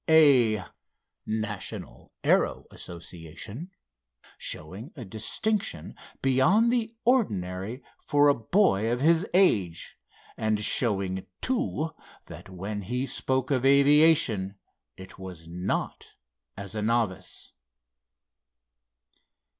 A." (National Aero Association) showing a distinction beyond the ordinary for a boy of his age, and showing, too, that when he spoke of aviation it was not as a novice.